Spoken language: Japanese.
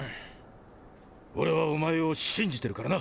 俺はお前を信じてるからな。